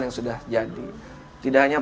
yang sudah jadi tidak hanya